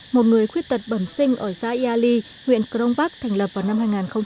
một người khuyết tật bẩm sinh ở gia yali huyện crong bắc thành lập vào năm hai nghìn một mươi hai